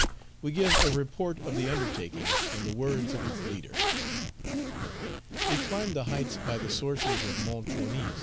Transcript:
We give a report of the undertaking, in the words of its leader: "We climbed the heights by the sources of Mount Ronis.